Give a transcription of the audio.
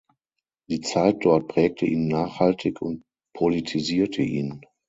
Die Zeit dort prägte ihn nachhaltig und politisierte ihn.